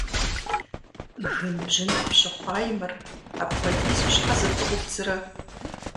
Гынбжьын къыпщыхъуаи мыр, апхуэдизу щхьэ зыпыӀубдзрэ?